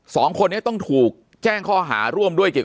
สองคนนี้ต้องถูกแจ้งข้อหาร่วมด้วยเกี่ยวกับ